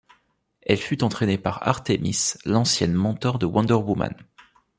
Elle fut entraînée par Artemis, l'ancienne mentor de Wonder Woman.